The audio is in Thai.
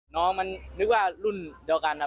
น้องมันนึกว่ารุ่นเดียวกัน